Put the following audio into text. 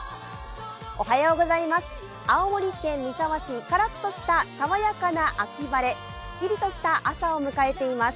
青森県三沢市、カラッとした爽やかな秋晴れ、すっきりとした朝を迎えています。